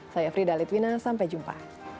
saya frida litwina sampai jumpa